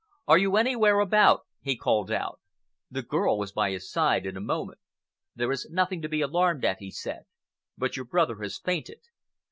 "Are you anywhere about?" he called out. The girl was by his side in a moment. "There is nothing to be alarmed at," he said, "but your brother has fainted.